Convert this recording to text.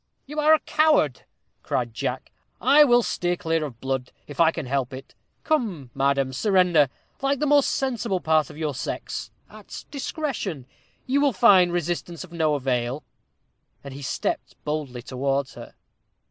"You are a coward," cried Jack. "I will steer clear of blood if I can help it. Come, madam, surrender, like the more sensible part of your sex, at discretion. You will find resistance of no avail." And he stepped boldly towards her.